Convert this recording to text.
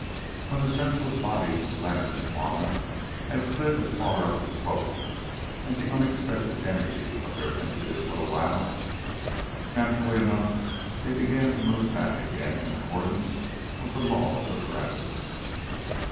When the senseless bodies of Leonard and Juanna had slid as far up the slope as the unexpended energy of their impetus would allow, naturally enough they began to move back again in accordance with the laws of gravity.